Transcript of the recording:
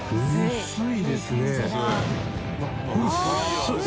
△薄い。